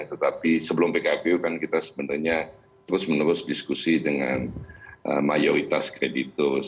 tetapi sebelum pkpu kan kita sebenarnya terus menerus diskusi dengan mayoritas kreditus